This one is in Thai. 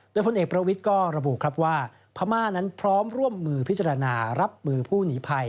และฝนเอกประวิทย์ก็ระบุพม่านั้นพร้อมร่วมมือพิจารณารับมือผู้หนีพัย